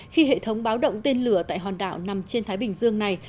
khi hệ thống báo động tên lửa tại hòn đảo nằm trên thái bình dương này